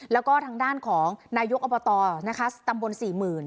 แล้วก็ทางด้านของนายกอบตนะคะตำบลสี่หมื่น